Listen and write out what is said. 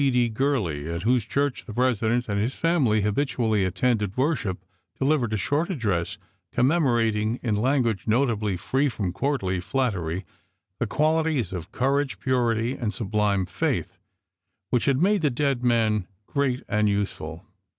P. D. Gurley, at whose church the President and his family habitually at tended worship, delivered a short address, commem orating, in language notably free from courtly flattery, the qualities of courage, purity, and sub lime faith which had made the dead man great and 9. THE FUNEBAL CAR. useful.